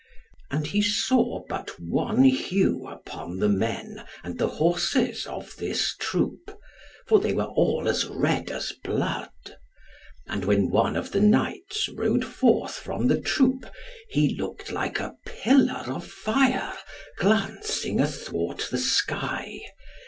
And he saw but one hue upon the men and the horses of this troop, for they were all as red as blood. And when one of the knights rode forth from the troop, he looked like a pillar of fire glancing athwart the sky.